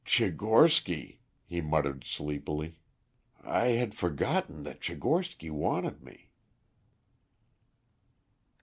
"Tchigorsky," he muttered sleepily. "I had forgotten that Tchigorsky wanted me."